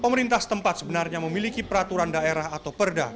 pemerintah setempat sebenarnya memiliki peraturan daerah atau perda